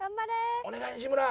お願い西村！